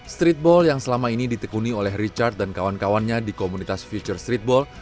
streetball yang selama ini ditekuni oleh richard dan kawan kawannya di komunitas future streetball